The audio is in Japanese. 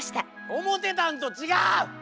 おもてたんとちがう！